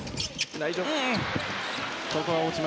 大丈夫。